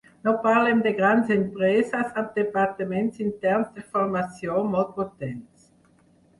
No parlem de grans empreses amb departaments interns de formació molt potents.